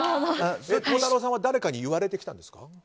孝太郎さんは誰かに言われてきたんですか？